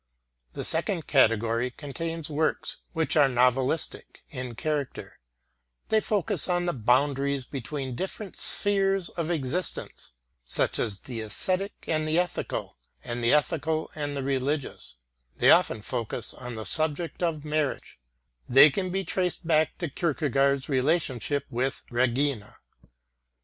The second category contains works which are "novelistic" in character; they focus on the boundaries between different spheres of existence, such as the aesthetic and the ethical, and the ethical and the religious; they often focus on the subject of marriage; they can be traced back to Kierkegaard's relationship with Regine.